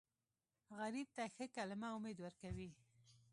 غریب ته ښه کلمه امید ورکوي